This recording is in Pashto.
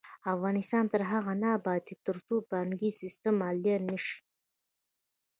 افغانستان تر هغو نه ابادیږي، ترڅو بانکي سیستم آنلاین نشي.